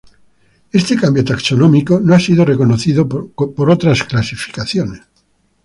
Este cambio taxonómico no ha sido reconocido por otras clasificaciones.